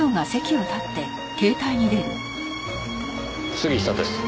杉下です。